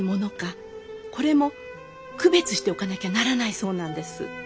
これも区別しておかなきゃならないそうなんです。